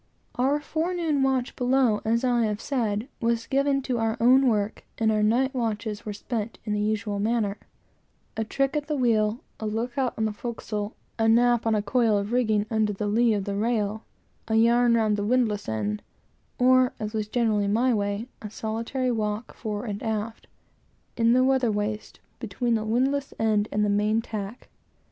Our forenoon watch below, as I have said, was given to our own work, and our night watches were spent in the usual manner: a trick at the wheel, a look out on the forecastle, a nap on a coil of rigging under the lee of the rail; a yarn round the windlass end; or, as was generally my way, a solitary walk fore and aft, in the weather waist, between the windlass end and the main tack.